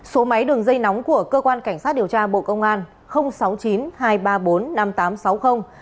số máy đường dây nóng của cơ quan cảnh sát điều tra bộ công an sáu mươi chín hai trăm ba mươi bốn năm nghìn tám trăm sáu mươi